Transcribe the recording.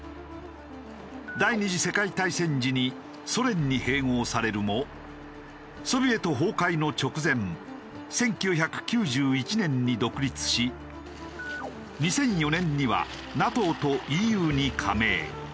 第２次世界大戦時にソ連に併合されるもソビエト崩壊の直前１９９１年に独立し２００４年にはＮＡＴＯとＥＵに加盟。